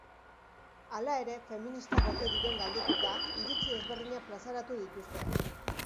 Hala ere, feministak ote diren galdetuta, iritzi ezberdinak plazaratu dituzte.